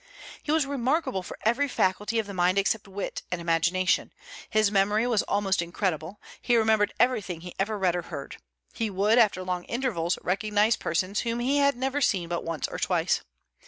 He was remarkable for every faculty of the mind except wit and imagination. His memory was almost incredible; he remembered everything he ever read or heard; he would, after long intervals, recognize persons whom he had never seen but once or twice.